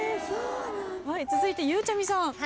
続いてゆうちゃみさん。